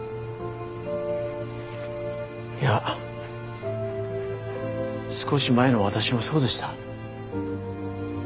いや少し前の私もそうでした。